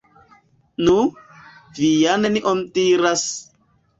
Nu, vi ja nenion diras!